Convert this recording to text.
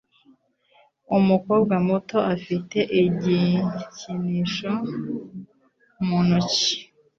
Umukobwa muto afite igikinisho mu ntoki.